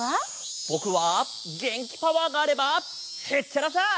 ぼくはげんきパワーがあればへっちゃらさ！